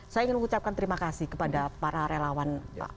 saya ingin mengucapkan terima kasih kepada para relawan pak